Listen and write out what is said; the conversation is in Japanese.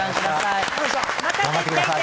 またね！